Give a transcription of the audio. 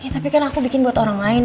tapi kan aku bikin buat orang lain